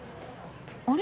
あれ？